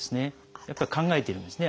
やっぱり考えてるんですね